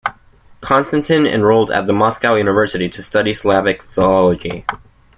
Konstantin enrolled at the Moscow University to study Slavic philology.